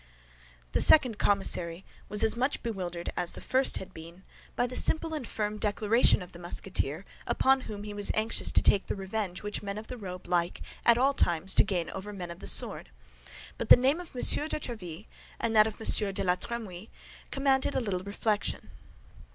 The second commissary was as much bewildered as the first had been by the simple and firm declaration of the Musketeer, upon whom he was anxious to take the revenge which men of the robe like at all times to gain over men of the sword; but the name of M. de Tréville, and that of M. de la Trémouille, commanded a little reflection.